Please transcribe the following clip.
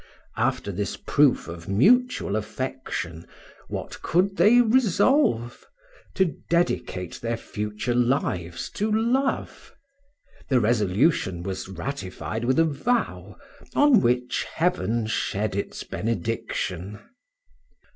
After this proof of mutual affection, what could they resolve? to dedicate their future lives to love! the resolution was ratified with a vow, on which Heaven shed its benediction.